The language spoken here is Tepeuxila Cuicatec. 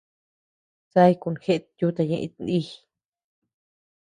Saíkuu jeʼet yuta ñeʼe iti nì.